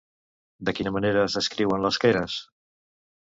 De quina manera es descriuen les Keres?